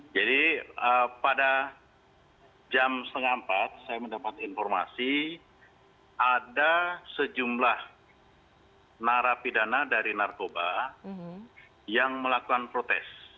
jadi pada jam setengah empat saya mendapat informasi ada sejumlah narapidana dari narkoba yang melakukan protes